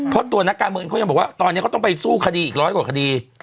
เพราะตัวนักการเมืองเขายังบอกว่าตอนนี้เขาต้องไปสู้คดีอีกร้อยกว่าคดี